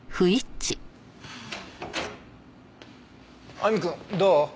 亜美くんどう？